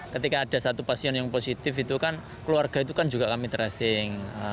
ketika ada satu pasien yang positif itu kan keluarga itu kan juga kami tracing